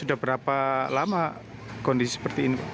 sudah berapa lama kondisi seperti ini